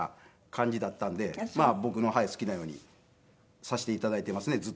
僕の好きなようにさせて頂いていますねずっと。